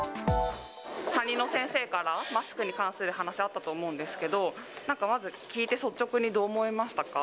担任の先生から、マスクに関する話、あったと思うんですけど、なんか、まず聞いて率直にどう思いましたか？